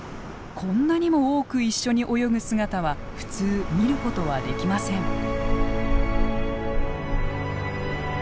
こんなにも多く一緒に泳ぐ姿は普通見ることはできません。